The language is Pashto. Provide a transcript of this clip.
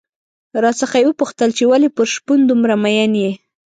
راڅخه یې وپوښتل چې ولې پر شپون دومره مين يې؟